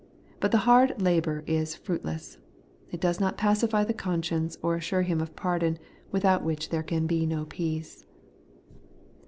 But the hard labour is fruitless. It does not pacify the conscience or assure him of pardon, without which there can be no peace.